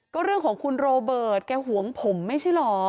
ก็เรื่องของคุณโรเบิร์ตแกหวงผมไม่ใช่เหรอ